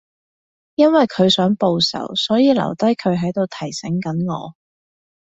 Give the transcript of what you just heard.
因為佢想報仇，所以留低佢喺度提醒緊我